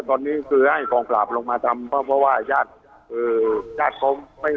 ตอนนี้คือให้ลงมาทำเพราะว่าญาติคือญาติ